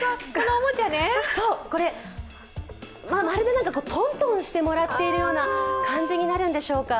これ、まるで、なんかトントンしてもらってるような感じになるんでしょうか。